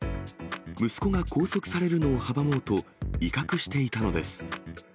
息子が拘束されるのを阻もうと、威嚇していたのです。